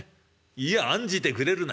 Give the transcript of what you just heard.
『いや案じてくれるな。